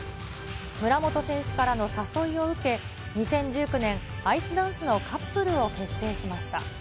村元選手からの誘いを受け、２０１９年、アイスダンスのカップルを結成しました。